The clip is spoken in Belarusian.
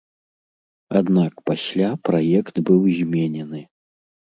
Аднак пасля праект быў зменены.